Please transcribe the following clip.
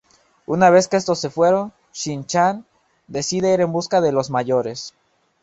Una vez que estos se fueron, Shin-Chan decide ir en busca de los mayores.